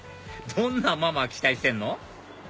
どんなママ期待してんの？